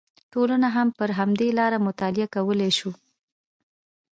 ټولنه هم پر همدې لاره مطالعه کولی شو